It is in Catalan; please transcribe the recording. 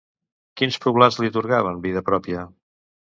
Quins poblats li atorgaven vida pròpia?